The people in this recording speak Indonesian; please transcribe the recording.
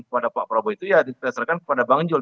kepada pak prabowo itu ya didasarkan kepada bang jul